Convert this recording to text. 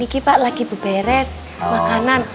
gigi pak lagi beberes makanan